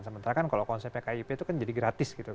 sementara kan kalau konsepnya kip itu kan jadi gratis gitu